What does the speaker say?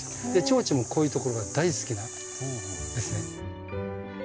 チョウチョもこういうところが大好きなんですね。